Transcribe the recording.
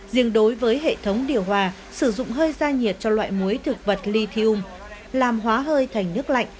riêng đối với hệ thống điều hòa sử dụng hơi ra nhiệt cho loại muối thực vật lithium làm hóa hơi thành nước lạnh